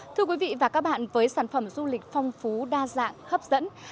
thưa quý vị và các bạn với sản phẩm du lịch phong phú đa dạng hấp dẫn